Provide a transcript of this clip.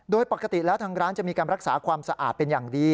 โดยปกติแล้วทางร้านจะมีการรักษาความสะอาดเป็นอย่างดี